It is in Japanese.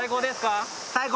最高！